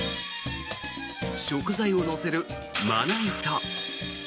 食材を乗せるまな板。